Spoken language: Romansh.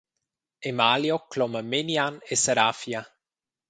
Emalio cloma Menian e Sarafia.